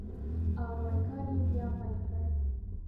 او نوی کار یې بیا پیل کړ.